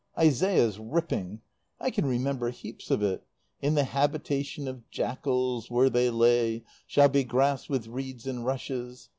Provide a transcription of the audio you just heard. Isaiah's ripping. I can remember heaps of it: 'in the habitation of jackals, where they lay, shall be grass with reeds and rushes.